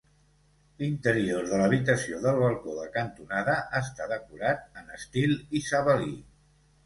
L'interior de l'habitació del balcó de cantonada està decorat en estil isabelí.